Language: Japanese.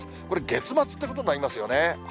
これ、月末ということになりますよね。